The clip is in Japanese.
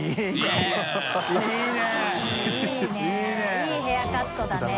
いいヘアカットだね。